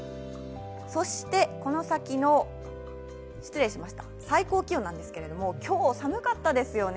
そして最高気温なんですけど、今日、寒かったですよね。